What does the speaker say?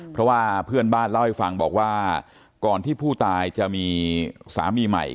เพราะว่าเพื่อนบ้านเล่าให้ฟังบอกว่าก่อนที่ผู้ตายจะมีสามีใหม่